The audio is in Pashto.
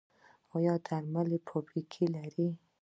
آیا د درملو فابریکې لرو؟